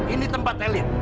ini tempat elit